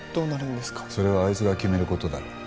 それはあいつが決める事だろ。